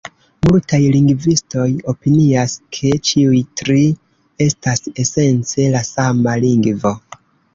Multaj lingvistoj opinias, ke ĉiuj tri estas esence la sama lingvo.